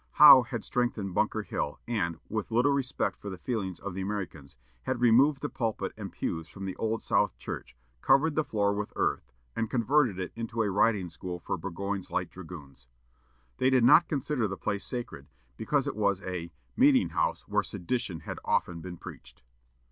Howe had strengthened Bunker Hill, and, with little respect for the feelings of the Americans, had removed the pulpit and pews from the Old South Church, covered the floor with earth, and converted it into a riding school for Burgoyne's light dragoons. They did not consider the place sacred, because it was a "meeting house where sedition had often been preached."